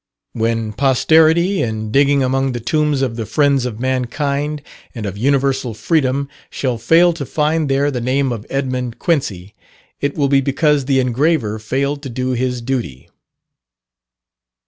When posterity, in digging among the tombs of the friends of mankind, and of universal freedom, shall fail to find there the name of Edmund Quincy, it will be because the engraver failed to do his duty.